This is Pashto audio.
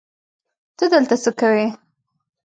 ته دلته څه کوې؟